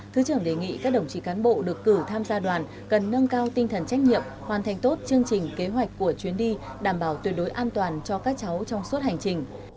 thứ trưởng đề nghị các đồng chí cán bộ được cử tham gia đoàn cần nâng cao tinh thần trách nhiệm hoàn thành tốt chương trình kế hoạch của chuyến đi đảm bảo tuyệt đối an toàn cho các cháu trong suốt hành trình